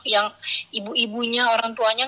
yang ibu ibunya orang tuanya